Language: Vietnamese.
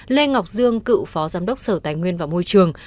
lê ngọc dương cựu phó giám đốc sở tài nguyên và môi trường